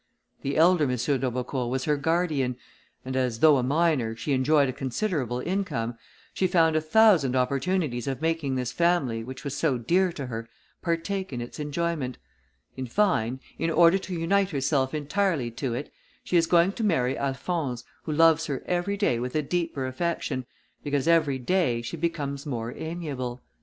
The elder M. d'Aubecourt was her guardian, and as, though a minor, she enjoyed a considerable income, she found a thousand opportunities of making this family, which was so dear to her, partake in its enjoyment; in fine, in order to unite herself entirely to it, she is going to marry Alphonse, who loves her every day with a deeper affection, because every day she becomes more amiable.